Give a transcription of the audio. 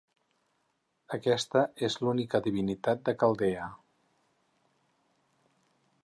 Aquesta és l'única divinitat de Caldea.